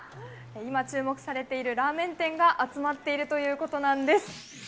今、注目されているラーメン店が集まっているということなんです。